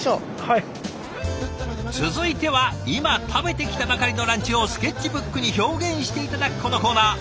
続いては今食べてきたばかりのランチをスケッチブックに表現して頂くこのコーナー。